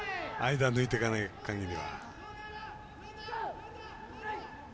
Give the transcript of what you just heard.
間、抜いていかないかぎり。